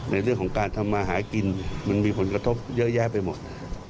ในเรื่องของการทำมาหากินมันมีผลกระทบเยอะแยะไปหมด